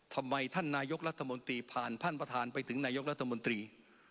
ท่านนายกรัฐมนตรีผ่านท่านประธานไปถึงนายกรัฐมนตรี